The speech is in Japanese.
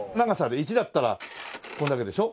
１だったらこれだけでしょ。